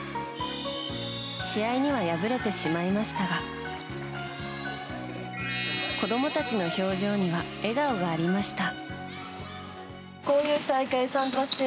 試合には敗れてしまいましたが子供たちの表情には笑顔がありました。